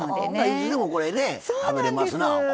いつでも食べれますな。